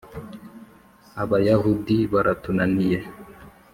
abayahudi baratunaniye